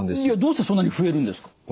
いやどうしてそんなに増えるんですか？